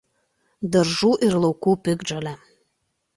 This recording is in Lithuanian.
Daržų ir laukų piktžolė.